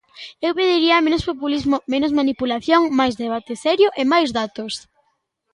Eu pediría menos populismo, menos manipulación, máis debate serio e máis datos.